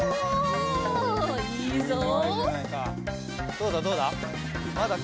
どうだどうだ？